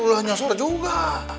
luah nyosor juga